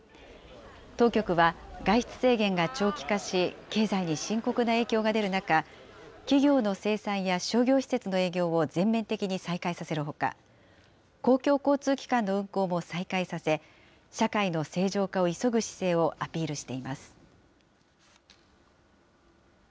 当局は、外出制限が長期化し、経済に深刻な影響が出る中、企業の生産や商業施設の営業を全面的に再開させるほか、公共交通機関の運行も再開させ、社会の正常化を急ぐ姿勢をアピールしています。